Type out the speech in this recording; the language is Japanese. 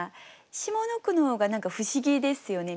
下の句の方が何か不思議ですよね。